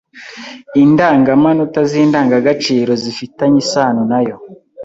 Indangamanota zi n d a n g a g a ciro zifi tanye isano nayo